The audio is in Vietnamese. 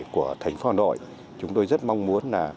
của thành phố hà nội chúng tôi rất mong muốn là